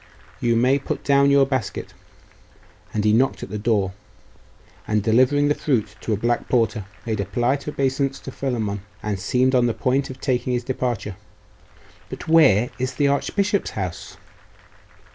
You may put down your basket.' And he knocked at the door, and delivering the fruit to a black porter, made a polite obeisance to Philammon, and seemed on the point of taking his departure. 'But where is the archbishop's house?